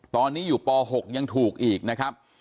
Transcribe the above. ตอนนี้อยู่ป๖ยังถูกอีกนะครับ